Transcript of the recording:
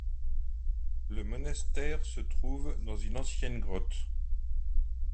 Le monastère se trouve dans une ancienne grotte.